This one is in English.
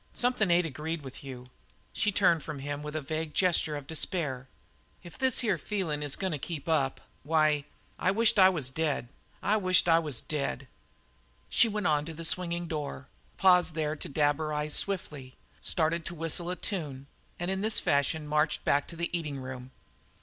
Something ain't agreed with you." She turned from him with a vague gesture of despair. "If this here feelin' is goin' to keep up why, I wisht I was dead I wisht I was dead!" She went on to the swinging door, paused there to dab her eyes swiftly, started to whistle a tune, and in this fashion marched back to the eating room.